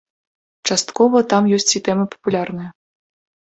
Часткова там ёсць і тэмы папулярныя.